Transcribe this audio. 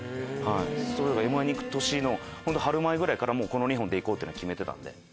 『Ｍ−１』に行く年の春前ぐらいからこの２本で行こうって決めてたんで。